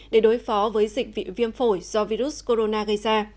để đối phó với dịch vị viêm phổi do virus corona gây ra